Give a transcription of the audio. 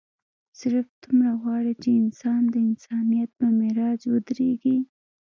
صرف دومره غواړي چې انسان د انسانيت پۀ معراج اودريږي